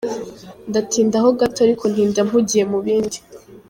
Ndatindaho gato ariko ntinda mpugiye mu bindi.